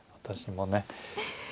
私もね。